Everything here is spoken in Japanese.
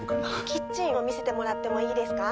キッチンを見せてもらってもいいですか？